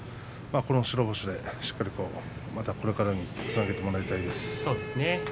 この白星で、これからにつなげてもらいたいですね。